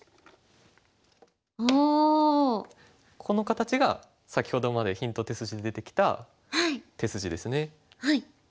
この形が先ほどまでヒント手筋で出てきた手筋ですね。